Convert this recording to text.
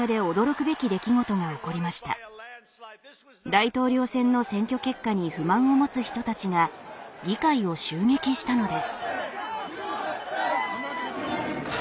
大統領選の選挙結果に不満を持つ人たちが議会を襲撃したのです。